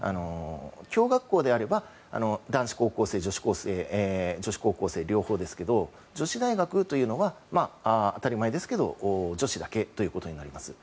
共学校であれば男子高校生、女子高校生両方ですけど女子大学というのは当たり前ですけど女子だけとなります。